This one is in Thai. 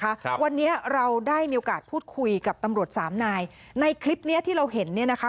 ครับวันนี้เราได้มีโอกาสพูดคุยกับตำรวจสามนายในคลิปเนี้ยที่เราเห็นเนี้ยนะคะ